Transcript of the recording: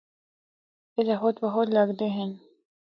اِتھا خود بخود لگدے ہن۔